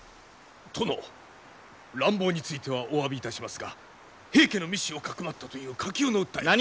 殿乱暴についてはおわびいたしますが平家の密使をかくまったという火急の訴えが。